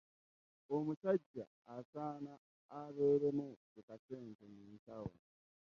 Omusajja asaana abeeremu ku kasente mu nsawo.